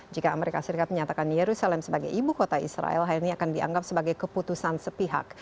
jika amerika serikat menyatakan yerusalem sebagai ibu kota israel hal ini akan dianggap sebagai keputusan sepihak